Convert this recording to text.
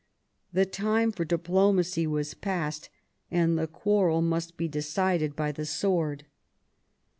The time for diplomacy was past, and the quarrel must be decided by the sword.